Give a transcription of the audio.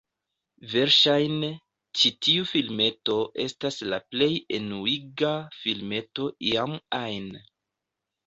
Verŝajne, ĉi tiu filmeto estas la plej enuiga filmeto iam ajn.